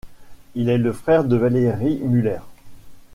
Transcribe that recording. Il est le frère de Valéry Müller.